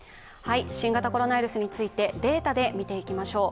新型コロナウイルスについてデータで見ていきましょう。